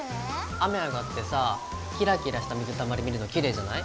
雨上がってさキラキラした水たまり見るのきれいじゃない？